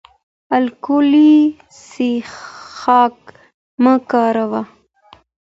الکولي څښاک مه کاروه